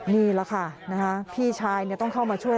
นี่แหละค่ะนะฮะพี่ชายเนี่ยต้องเข้ามาช่วย